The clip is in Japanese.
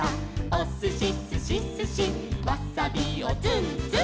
「おすしすしすしわさびをツンツン」